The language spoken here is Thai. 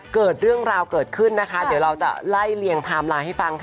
เกิดเรื่องราวเกิดขึ้นนะคะเดี๋ยวเราจะไล่เลี่ยงไทม์ไลน์ให้ฟังค่ะ